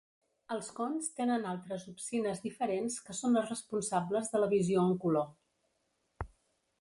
Els cons tenen altres opsines diferents que són les responsables de la visió en color.